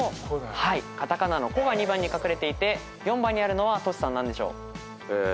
片仮名の「コ」が２番に隠れていて４番にあるのはトシさん何でしょう？